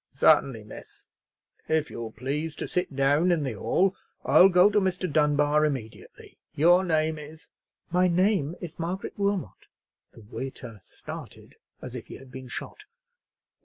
"Certainly, miss. If you'll please to sit down in the hall I'll go to Mr. Dunbar immediately. Your name is——" "My name is Margaret Wilmot." The waiter started as if he had been shot.